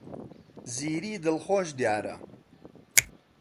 زیری دڵخۆش دیارە.